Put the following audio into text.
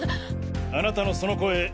あなたのその声。